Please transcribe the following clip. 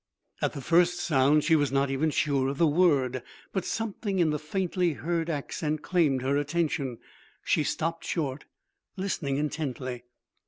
At the first sound she was not even sure of the word, but something in the faintly heard accent claimed her attention. She stopped short, listening intently.